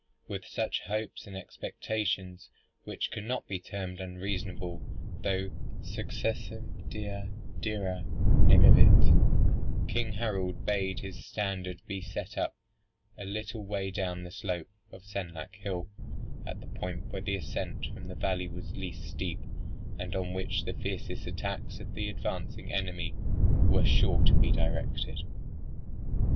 With such hopes and expectations (which cannot be termed unreasonable, though "Successum Dea dira negavit,") King Harold bade his standard be set up a little way down the slope of Senlac hill, at the point where the ascent from the valley was least steep, and on which the fiercest attacks of the advancing enemy were sure to be directed.